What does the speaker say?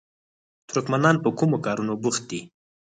ترکمنان په کومو کارونو بوخت دي؟